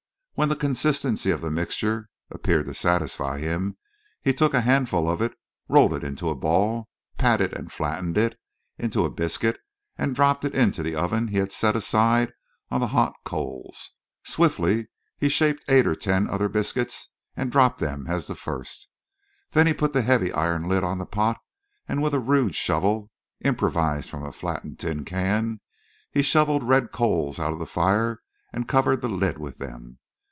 When the consistency of the mixture appeared to satisfy him he took a handful of it, rolled it into a ball, patted and flattened it into a biscuit, and dropped it into the oven he had set aside on the hot coals. Swiftly he shaped eight or ten other biscuits and dropped them as the first. Then he put the heavy iron lid on the pot, and with a rude shovel, improvised from a flattened tin can, he shoveled red coals out of the fire, and covered the lid with them.